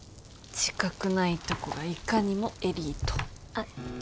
自覚ないとこがいかにもエリート。